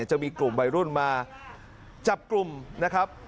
จะมีกลุ่มวัยรุ่นมาจับกลุ่มนะครับ